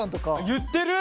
言ってる。